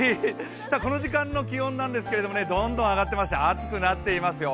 この時間の気温なんですけどどんどん上がってまして暑くなっていますよ。